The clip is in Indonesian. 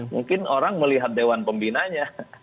mungkin orang melihat dewan pembinanya